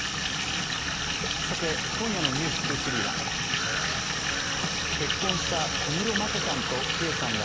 今夜の「ｎｅｗｓ２３」は結婚した小室眞子さんと圭さんが